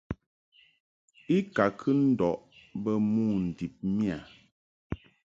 I ka kɨ ndɔʼ bə mo ndib miƴa.